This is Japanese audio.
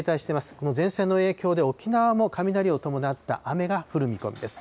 この前線の影響で、沖縄も雷を伴った雨が降る見込みです。